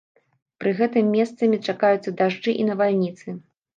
Пры гэтым месцамі чакаюцца дажджы і навальніцы.